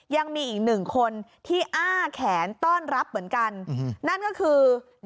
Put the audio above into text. ยังมีอีกหนึ่งคนที่อ้าแขนต้อนรับเหมือนกันนั่นก็คือ